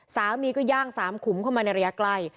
สามีก็ย่าง๓ขุมเข้ามาในระยะใกล้